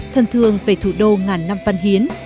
thân thương về thủ đô ngàn năm văn hiến